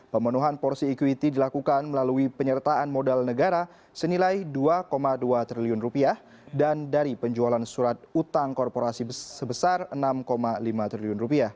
pemenuhan porsi ekuiti dilakukan melalui penyertaan modal negara senilai rp dua dua triliun dan dari penjualan surat utang korporasi sebesar rp enam lima triliun